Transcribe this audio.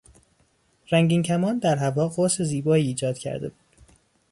رنگین کمان در هوا قوس زیبایی ایجاد کرده بود.